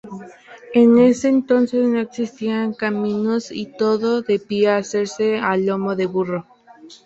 En ese entonces no existían caminos y todo debía hacerse a lomo de burro.